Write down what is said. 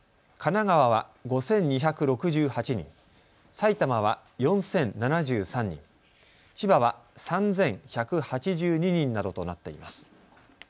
神奈川は５２６８人、埼玉は４０７３人、千葉は３１８２人などとなっています。